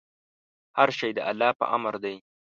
هر شی د الله په امر دی.